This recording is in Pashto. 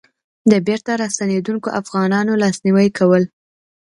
د بېرته راستنېدونکو افغانانو لاسنيوی کول.